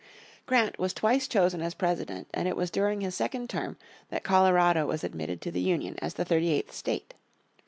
Grant was twice chosen as President and it was during his second term that Colorado was admitted to the Union as the thirty eighth state.